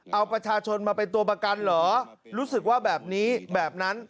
เอาประชาชนมาเป็นตัวประกันเหรอรู้สึกว่าแบบนี้แบบนั้น